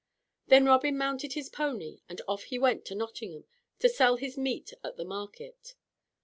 Then Robin mounted his pony and off he went to Nottingham to sell his meat at the market.